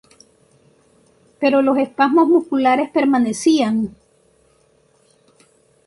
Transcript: Pero los espasmos musculares permanecían.